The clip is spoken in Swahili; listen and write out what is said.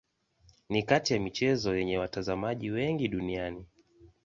Ni kati ya michezo yenye watazamaji wengi duniani.